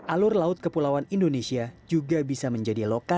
alur laut kepulauan indonesia juga bisa menjadi lokasi